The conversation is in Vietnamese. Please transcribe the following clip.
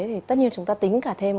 thì tất nhiên chúng ta tính cả thêm